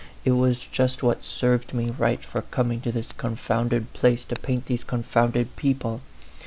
It was just what served me right for coming to this confounded place to paint these con founded people.